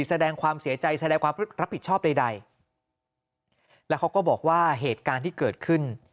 แสดงความเสียใจแสดงความรับผิดชอบใดแล้วเขาก็บอกว่าเหตุการณ์ที่เกิดขึ้น